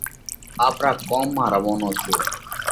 آپرا ڪوم مانه روَونو ٿيو۔